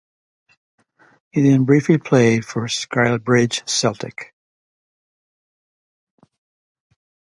He then briefly played for Stalybridge Celtic.